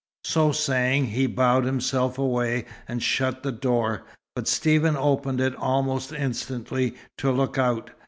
So saying, he bowed himself away, and shut the door; but Stephen opened it almost instantly, to look out.